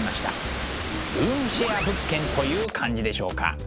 ルームシェア物件という感じでしょうか。